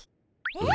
え？